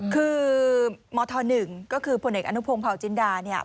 คือมธ๑ก็คือผลเอกอนุพงศ์เผาจินดาเนี่ย